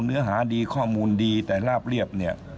เนื้อหาดีข้อมูลดีแต่ลาบเรียบเนี่ย